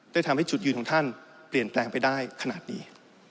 ได้ทำให้จุดยืนของท่านเปลี่ยนแปลงไปได้ขนาดนี้